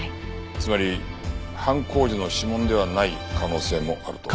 つまり犯行時の指紋ではない可能性もあると。